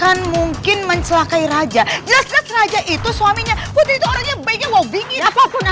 ibu ibu sosialita kayak gitu